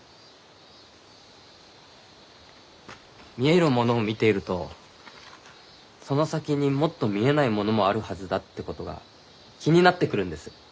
見えるものを見ているとその先にもっと見えないものもあるはずだってことが気になってくるんです。